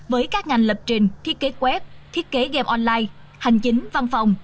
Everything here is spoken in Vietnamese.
với các ngành lập trình thiết kế web thiết kế game online hành chính văn phòng